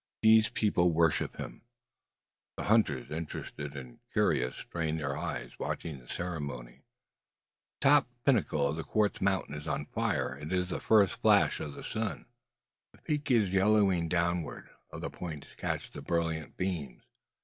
These people worship him." The hunters, interested and curious, strain their eyes, watching the ceremony. The topmost pinnacle of the quartz mountain is on fire. It is the first flash of the sun! The peak is yellowing downward. Other points catch the brilliant beams.